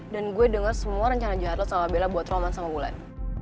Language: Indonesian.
dan gue denger semua rencana jahat lo sama bella buat roman sama bulan